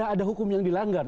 ada hukum yang dilanggar